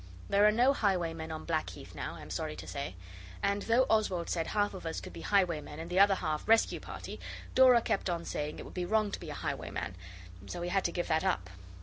There are no highwaymen on Blackheath now, I am sorry to say. And though Oswald said half of us could be highwaymen and the other half rescue party, Dora kept on saying it would be wrong to be a highwayman and so we had to give that up.